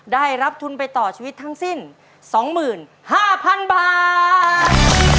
ได้รับทุนไปต่อชีวิตทั้งสิ้น๒๕๐๐๐บาท